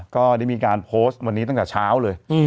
ก็ได้มีการโพสต์วันนี้ตั้งแต่เช้าเลย